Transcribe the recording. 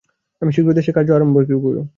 আমি শীঘ্রই দেশে কার্য আরম্ভ করিব।